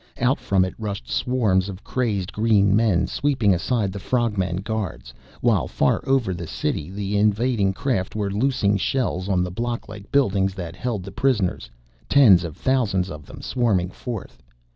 Out from it rushed swarms of crazed green men, sweeping aside the frog men guards, while far over the city the invading craft were loosing shells on the block like buildings that held the prisoners, tens of thousands of them swarming forth.